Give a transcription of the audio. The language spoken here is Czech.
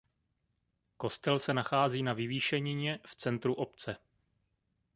Kostel se nachází na vyvýšenině v centru obce.